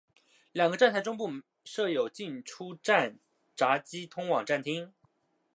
两个站台中部设有进出站闸机通往站厅。